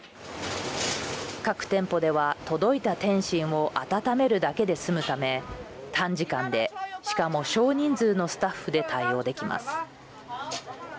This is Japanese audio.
各店舗では、届いた点心を温めるだけで済むため短時間でしかも、少人数のスタッフで対応できます。